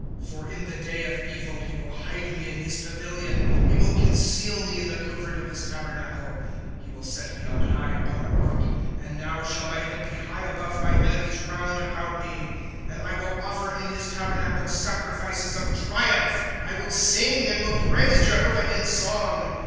" For in the day of evil he will hide me in his pavilion ; He will conceal me in the covert of his tabernacle ; Ho will set me on high upon a rock. ^ And now shall my head be high above ray enemies round about me ; And I will offer in hig tabernacle sacrifices of triumph ; I will sing, and will praise Jehovah in song.